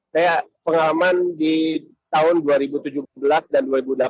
saya pengalaman di tahun dua ribu tujuh belas dan dua ribu delapan belas